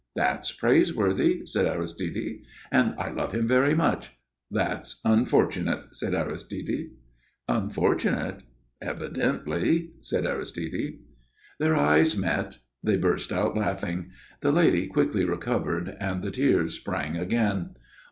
"That's praiseworthy," said Aristide. "And I love him very much." "That's unfortunate!" said Aristide. "Unfortunate?" "Evidently!" said Aristide. Their eyes met. They burst out laughing. The lady quickly recovered and the tears sprang again.